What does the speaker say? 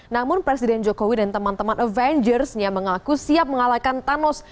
namun presiden jokowi dan teman teman avengersnya mengaku siap mengalahkan thanos